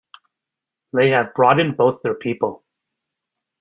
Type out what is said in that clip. They have brought in both their people.